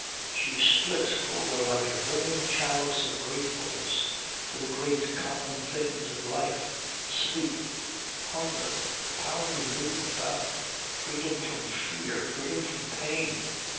She spilt over like a brimming chalice of gratefulness for the great common things of life sleep, hunger, power to move about, freedom from fear, freedom from pain.